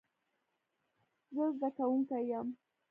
زه زده کوونکی یم